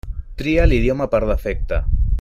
Tria l'idioma per defecte.